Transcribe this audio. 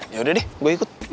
ya udah deh gue ikut